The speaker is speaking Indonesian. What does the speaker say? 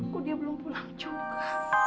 kok dia belum pulang juga